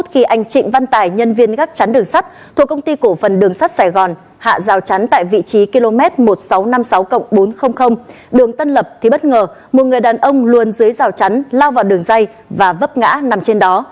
khi anh trịnh văn tải nhân viên gắt chắn đường sắt thuộc công ty cổ phần đường sắt sài gòn hạ rào chắn tại vị trí km một nghìn sáu trăm năm mươi sáu bốn trăm linh đường tân lập thì bất ngờ một người đàn ông luôn dưới rào chắn lao vào đường dây và vấp ngã nằm trên đó